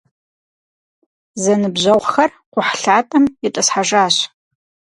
Зэныбжьэгъухэр кхъухьлъатэм итӏысхьэжащ.